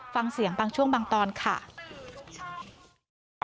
ฟังเสียงบางช่วงบางตอนค่ะ